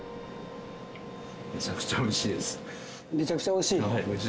めちゃくちゃおいしい？